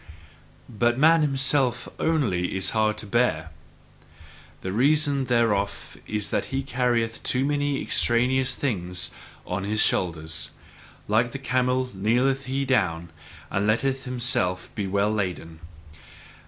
But man himself only is hard to bear! The reason thereof is that he carrieth too many extraneous things on his shoulders. Like the camel kneeleth he down, and letteth himself be well laden.